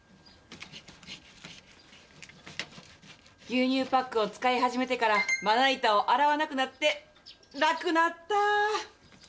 牛乳パックを使い始めてからまな板を洗わなくなって、楽なった。